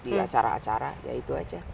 di acara acara ya itu aja